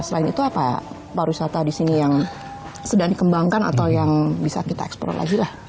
selain itu apa pariwisata di sini yang sedang dikembangkan atau yang bisa kita eksplor lagi lah